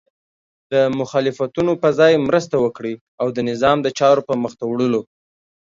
د مخالفتونو په ځای مرسته وکړئ او د نظام د چارو په مخته وړلو